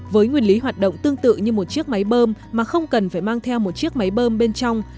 với nguyên lý hoạt động tương tự như một chiếc máy bơm mà không cần phải mang theo một chiếc máy bơm bên trong